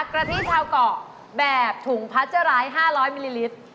กะทิเทาเกาะแบบถุงพัชราย๕๐๐มิลลิลิตร